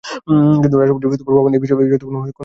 কিন্তু রাষ্ট্রপতি ভবন এই বিষয়ে কোনো সিদ্ধান্ত গ্রহণ করেনি।